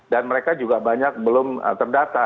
dan mereka juga banyak belum terdata